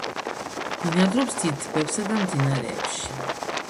ბინადრობს დიდ ტბებსა და მდინარეებში.